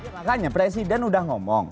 makanya presiden udah ngomong